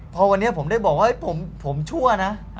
พอวันนี้ผมได้บอกว่าผมชั่วนะ